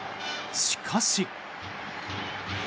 しかし。